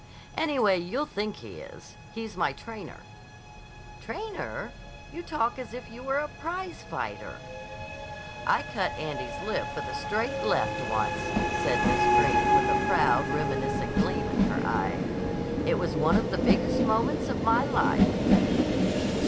"Anyway, you'll think he is. He's my trainer." "Trainer! You talk as if you were a prizefighter." "I cut Andy's lip with a straight left once," said Miss Greene with a proud, reminiscent gleam in her eye. "It was one of the biggest moments of my life."